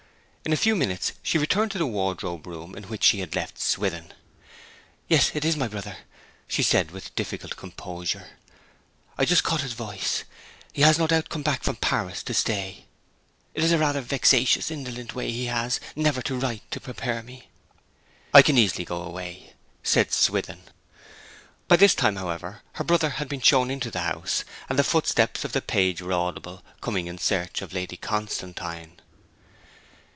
In a few minutes she returned to the wardrobe room in which she had left Swithin. 'Yes; it is my brother!' she said with difficult composure. 'I just caught his voice. He has no doubt come back from Paris to stay. This is a rather vexatious, indolent way he has, never to write to prepare me!' 'I can easily go away,' said Swithin. By this time, however, her brother had been shown into the house, and the footsteps of the page were audible, coming in search of Lady Constantine.